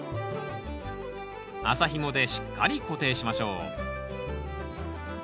麻ひもでしっかり固定しましょう。